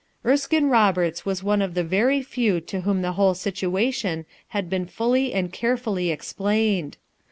Erskinc Roberts was one of the very few to whom the whole situation had been fully and carefully explained.